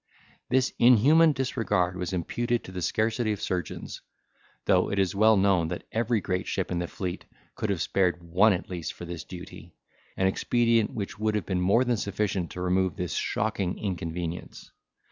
This inhuman disregard was imputed to the scarcity of surgeons; though it is well known that every great ship in the fleet could have spared one at least for this duty, an expedient which would have been more than sufficient to remove this shocking inconvenience.